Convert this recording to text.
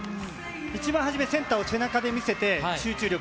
一番初め、センターを背中で見せて、集中力。